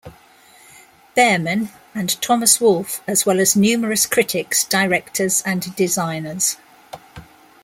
Behrman, and Thomas Wolfe as well as numerous critics, directors, and designers.